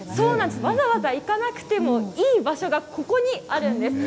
わざわざ行かなくてもいい場所がここにあるんです。